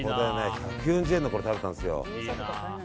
１４０円のころ食べたんですよ。